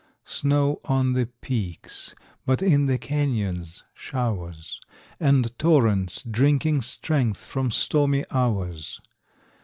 Snow on the peaks, but in the canyons, showers, And torrents drinking strength from stormy hours.